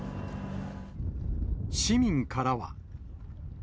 市民からは。